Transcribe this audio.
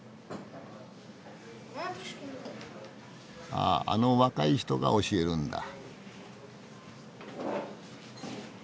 あああの若い人が教えるんだ。